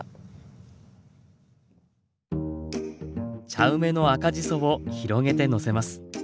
茶梅の赤じそを広げてのせます。